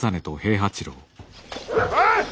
おい！